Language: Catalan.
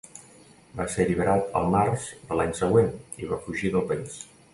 Va ser alliberat el març de l'any següent i va fugir del país.